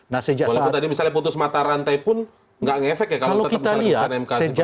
walaupun tadi misalnya putus mata rantai pun nggak ngefek ya kalau tetap misalnya kebijakan mk seperti itu ya